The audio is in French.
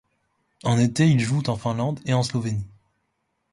En été, ils jouent en Finlande, et en Slovénie.